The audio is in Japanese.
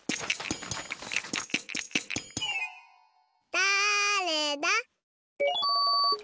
だれだ？